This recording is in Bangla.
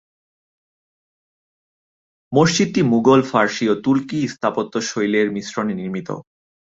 মসজিদটি মুঘল, ফারসি ও তুর্কি স্থাপত্যশৈলীর মিশ্রণে নির্মিত।